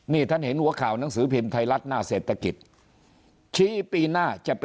นี่ท่านเห็นหัวข่าวหนังสือภิมศ์ไทยรัฐหน้าเศรษฐกิจ